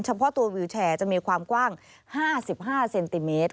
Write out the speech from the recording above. เฉพาะตัววิวแชร์จะมีความกว้าง๕๕เซนติเมตร